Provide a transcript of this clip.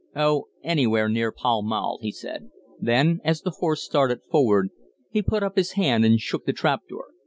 "Oh, anywhere near Pall Mall," he said. Then, as the horse started forward, he put up his hand and shook the trap door.